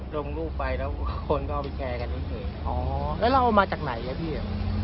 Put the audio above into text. ลงรูปไปแล้วคนก็เอาไปแชร์กันเฉยอ๋อแล้วเราเอามาจากไหนอ่ะพี่